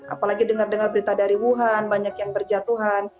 apalagi dengar dengar berita dari wuhan banyak yang berjatuhan